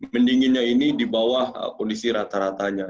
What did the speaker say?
mendinginnya ini di bawah kondisi rata ratanya